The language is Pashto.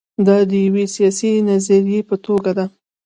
دا د یوې سیاسي نظریې په توګه ده.